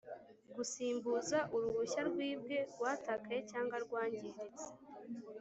gusimbuza uruhushya rwibwe, rwatakaye, cyangwa rwangiritse